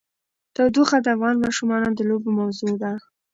تودوخه د افغان ماشومانو د لوبو موضوع ده.